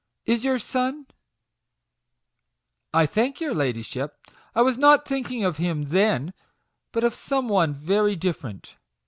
Is your son "" I thank your ladyship, I was not thinking of him then, but of some one very different.